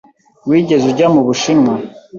Wigeze ujya mu Bushinwa?